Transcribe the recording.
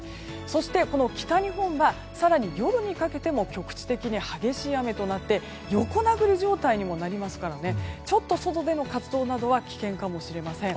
そして北日本は更に夜にかけても局地的に激しい雨となって横殴り状態にもなりますからちょっと外での活動なんかは危険かもしれません。